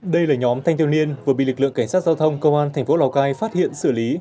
đây là nhóm thanh thiếu niên vừa bị lực lượng cảnh sát giao thông công an thành phố lào cai phát hiện xử lý